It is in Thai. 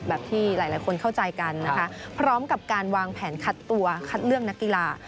ที่หลายคนเข้าใจกันนะคะพร้อมกับการวางแผนคัดตัวคัดเลือกนักกีฬา